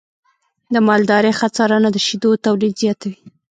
د مالدارۍ ښه څارنه د شیدو تولید زیاتوي.